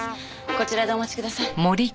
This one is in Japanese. こちらでお待ちください。